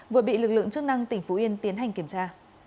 vừa bị lực lượng chức năng tỉnh phú yên tiến hành kiểm tra